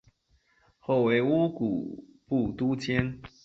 后为乌古部都监。